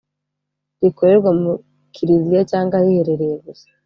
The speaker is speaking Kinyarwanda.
rikorerwa mu kiliziya cyangwa ahiherereye gusa